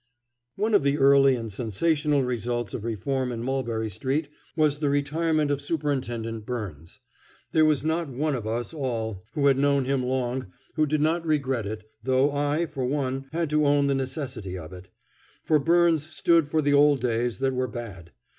One of the early and sensational results of reform in Mulberry Street was the retirement of Superintendent Byrnes. There was not one of us all who had known him long who did not regret it, though I, for one, had to own the necessity of it; for Byrnes stood for the old days that were bad.